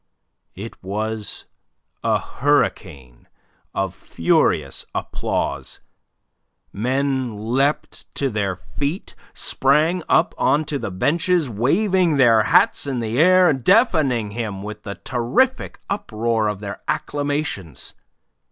It was a hurricane of furious applause. Men leapt to their feet, sprang up on to the benches, waving their hats in the air, deafening him with the terrific uproar of their acclamations.